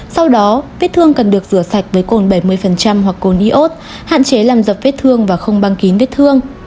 sau đó vết thương cần được rửa sạch với cồn bảy mươi hoặc cồn iốt hạn chế làm dập vết thương và không băng kín vết thương